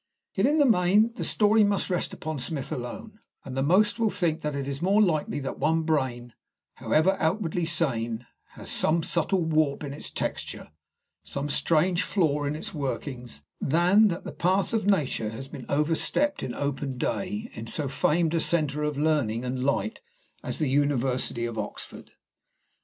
Yet, in the main, the story must rest upon Smith alone, and the most will think that it is more likely that one brain, however outwardly sane, has some subtle warp in its texture, some strange flaw in its workings, than that the path of Nature has been overstepped in open day in so famed a centre of learning and light as the University of Oxford.